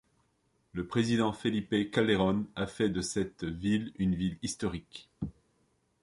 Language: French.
Le président Felipe Calderón a fait de cette ville une ville historique.